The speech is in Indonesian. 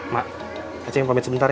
mak acing pamit sebentar ya